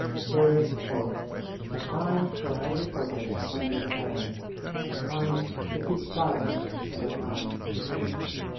There is "a time for every purpose under the heaven;" "a time to keep silence and a time to speak."